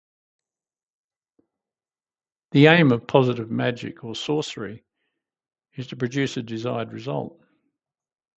The aim of positive magic or sorcery is to produce a desired result.